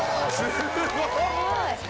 すごい。